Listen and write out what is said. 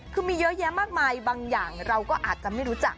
คือมีเยอะแยะมากมายบางอย่างเราก็อาจจะไม่รู้จัก